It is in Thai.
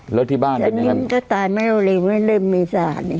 ครับนี่ก็ตายไม่รู้เลย